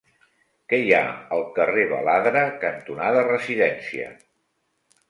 Què hi ha al carrer Baladre cantonada Residència?